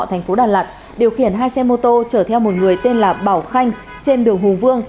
thành phố đà lạt điều khiển hai xe mô tô chở theo một người tên là bảo khanh trên đường hùng vương